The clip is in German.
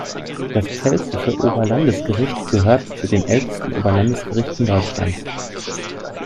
Das Pfälzische Oberlandesgericht gehört zu den ältesten Oberlandesgerichten Deutschlands.